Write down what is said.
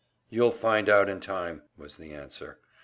"You'll find out in time," was the answer.